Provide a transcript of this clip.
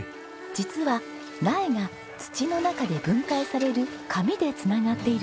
実は苗が土の中で分解される紙で繋がっているんです。